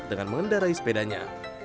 dengan mengendarai sepedanya